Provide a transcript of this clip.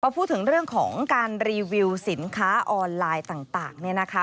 พูดถึงเรื่องของการรีวิวสินค้าออนไลน์ต่าง